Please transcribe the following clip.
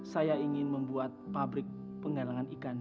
saya ingin membuat pabrik penggalangan ikan